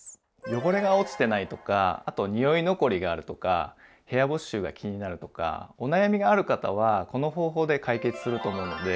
汚れが落ちてないとかあと匂い残りがあるとか部屋干し臭が気になるとかお悩みがある方はこの方法で解決すると思うので。